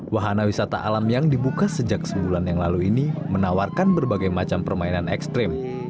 wahana wisata alam yang dibuka sejak sebulan yang lalu ini menawarkan berbagai macam permainan ekstrim